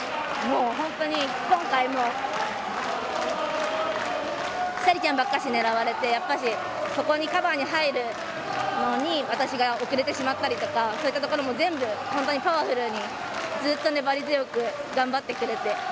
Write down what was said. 本当に今回もさりちゃんばっかし狙われてやっぱりそこにカバーに入るのに私が遅れてしまったりとかそういうところも全部パワフルにずっと粘り強く頑張ってくれて。